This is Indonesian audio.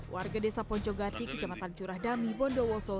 warga desa poncogati kejamaatan curah dami bondowoso